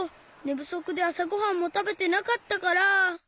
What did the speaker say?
ぶそくであさごはんもたべてなかったから。